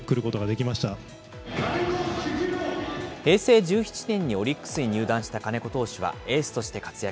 平成１７年にオリックスに入団した金子投手はエースとして活躍。